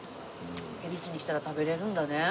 恵比寿に来たら食べれるんだね。